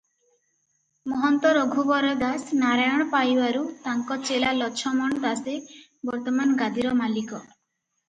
ମହନ୍ତ ରଘୁବର ଦାସ ନାରାୟଣ ପାଇବାରୁ ତାଙ୍କ ଚେଲା ଲଛମନ ଦାସେ ବର୍ତ୍ତମାନ ଗାଦିର ମାଲିକ ।